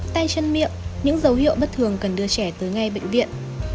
tay chân miệng những dấu hiệu bất thường cần đưa trẻ tới ngay bệnh viện